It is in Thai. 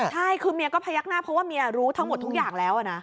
ใช่คือเมียก็พยักหน้าเพราะว่าเมียรู้ทั้งหมดทุกอย่างแล้วนะ